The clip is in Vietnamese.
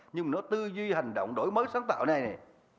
nhưng mà nó tư duy hành động đổi mới sáng tạo này này